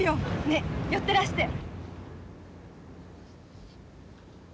ねっ寄ってらして。